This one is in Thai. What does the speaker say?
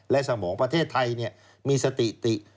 และสมองประเทศไทยมีสติติ